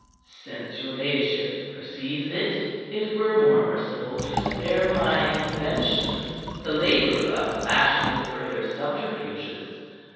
"Since your ladyship perceives it, it were more merciful to spare my invention the labor of fashioning further subterfuges.